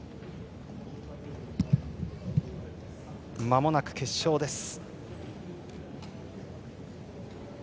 まもなく決勝です。